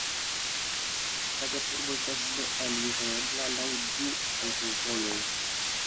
La ĉefurbo estas alirebla laŭ du aŭtovojoj.